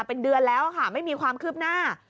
เป็นเดือนแล้วค่ะไม่มีความคืบหน้า